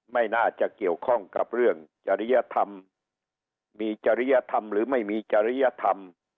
ไม่น่าจะเกี่ยวข้องกับเรื่องจริยธรรมมีจริยธรรมหรือไม่มีจริยธรรม